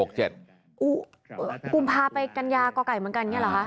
อุ๊ยกุมภาพภัณฑ์ไปกันยาก็ไก่เหมือนกันอย่างนี้เหรอคะ